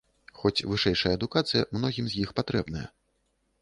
Хоць вышэйшая адукацыя многім з іх патрэбная.